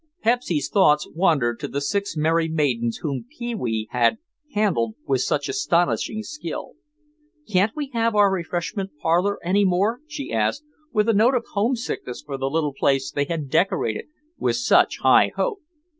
Pepsy's thoughts wandered to the six merry maidens whom Pee wee had "handled" with such astounding skill. "Can't we have our refreshment parlor any more?" she asked, with a note of homesickness for the little place they had decorated with such high hope.